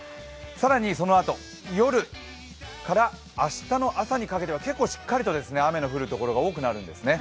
更にそのあと、夜から明日の朝にかけては結構しっかりと雨の降る所が多くなるんですね。